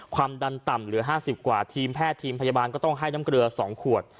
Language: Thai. ความดันต่ำเหลือ๕๐กว่าทีมแพทย์ทีมพยาบาลก็ต้องให้น้ำเกลือ๒ขวด